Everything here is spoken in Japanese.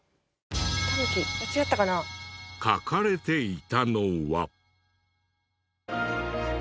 書かれていたのは。